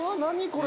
これ。